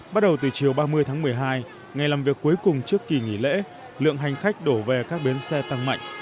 bắt đầu từ chiều ba mươi tháng một mươi hai ngày làm việc cuối cùng trước kỳ nghỉ lễ lượng hành khách đổ về các bến xe tăng mạnh